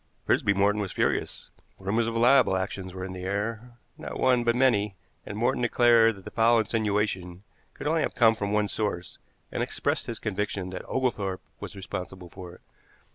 Frisby Morton was furious. Rumors of libel actions were in the air, not one but many, and Morton declared that the foul insinuation could only have come from one source, and expressed his conviction that Oglethorpe was responsible for it.